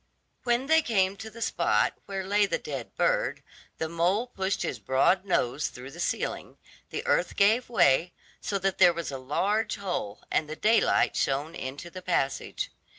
When they came to the spot where lay the dead bird, the mole pushed his broad nose through the ceiling, the earth gave way, so that there was a large hole, and the daylight shone into the passage.